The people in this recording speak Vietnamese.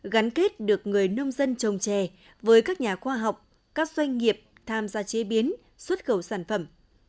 gắn kết được người nông dân trồng trè với các nhà khoa học các doanh nghiệp tham gia chế biến xuất khẩu sản phẩm